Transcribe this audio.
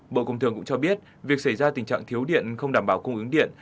bộ công thường cũng cho biết việc xảy ra tình trạng thiếu điện không đảm bảo cung ứng điện